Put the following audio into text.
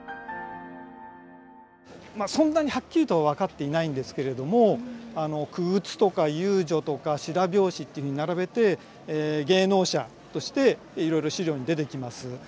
そんなにはっきりとは分かっていないんですけれども傀儡とか遊女とか白拍子っていうふうに並べて芸能者としていろいろ資料に出てきます。